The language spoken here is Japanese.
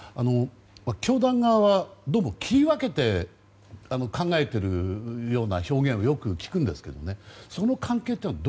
教団側は、どうも切り分けて考えているような表現をよく聞くんですがその関係っていうのは